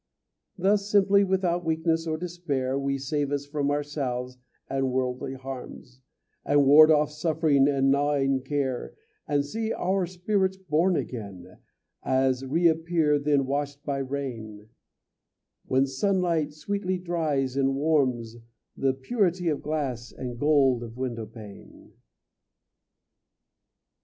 Thus simply, without weakness or despair, We save us from ourselves and worldly harms, And ward off suffering and gnawing care, And see our spirits born again; As reappear when washed by rain, When sunlight sweetly dries and warms, The purity of glass and gold of window pane.